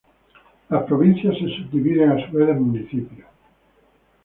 Las provincias se subdividen a su vez en municipios.